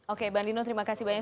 oke bandino terima kasih banyak